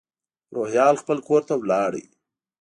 روهیال خپل کور ته لاړ.